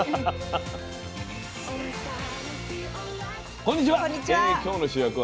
こんにちは。